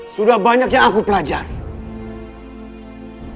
sudah banyak yang aku pelajari